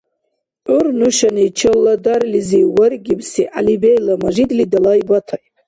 ГӀур нушани Чалладарлизив варгибси ГӀялибейла Мажидли далай батаиб.